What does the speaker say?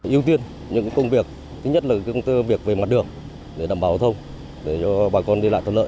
ưu tiên những công việc thứ nhất là công việc về mặt đường để đảm bảo giao thông để cho bà con đi lại thuận lợi